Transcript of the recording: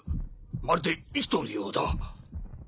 まるで生きとるようだ。